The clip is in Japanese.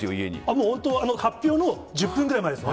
もう本当発表の１０分ぐらい前ですね。